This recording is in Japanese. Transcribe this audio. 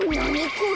これ。